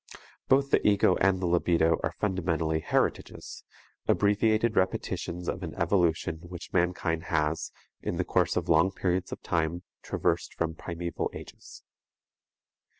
Both the ego and the libido are fundamentally heritages, abbreviated repetitions of an evolution which mankind has, in the course of long periods of time, traversed from primeval ages.